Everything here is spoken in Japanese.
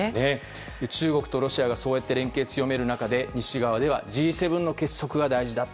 中国とロシアがそうやって連携を強める中で西側ではＧ７の結束が大事だと。